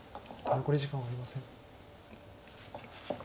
残り時間はありません。